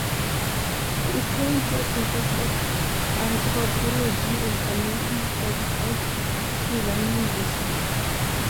He is currently a professor of Anthropology and American Studies at Tulane University.